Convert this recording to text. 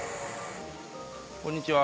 こんにちは。